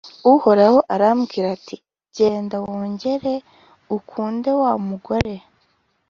Uhoraho arambwira ati «Genda, wongere ukunde wa mugore